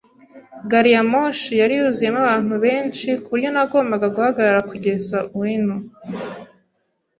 Gari ya moshi yari yuzuyemo abantu benshi kuburyo nagombaga guhagarara kugeza Ueno.